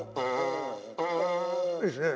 いいですね。